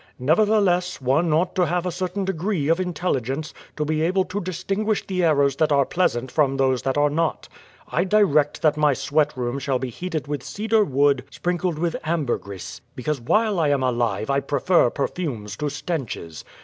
Nevertheless, one ought to have a certain degree of intelligence to be able to distinguish the errors that are pleas ant from those that are not. I direct that my sweat room shall be heated with cedar wood sprinkled with ambergris, because while I am alive I prefer perfumes to stenches.